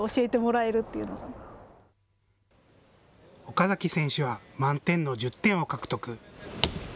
岡崎選手は満点の１０点を獲得。